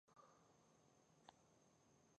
کندهار د افغانستان یو طبعي ثروت دی.